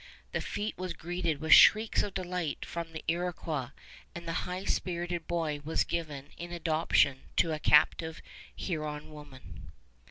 The feat was greeted with shrieks of delight by the Iroquois; and the high spirited boy was given in adoption to a captive Huron woman.